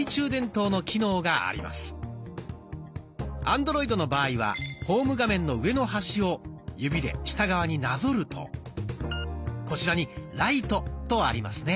アンドロイドの場合はホーム画面の上の端を指で下側になぞるとこちらに「ライト」とありますね。